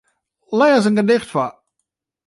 Lês in gedicht foar.